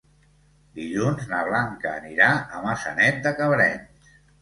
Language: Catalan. Dilluns na Blanca anirà a Maçanet de Cabrenys.